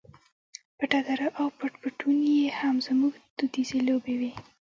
پټه دره او پټ پټونی یې هم زموږ دودیزې لوبې وې.